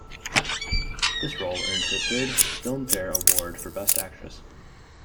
This role earned her third Filmfare Award for Best Actress.